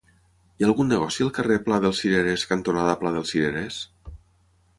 Hi ha algun negoci al carrer Pla dels Cirerers cantonada Pla dels Cirerers?